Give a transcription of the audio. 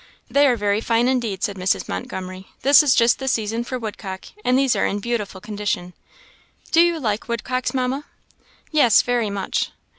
"They are very fine, indeed," said Mrs. Montgomery; "this is just the season for woodcock, and these are in beautiful condition." "Do you like woodcocks, Mamma?" "Yes, very much."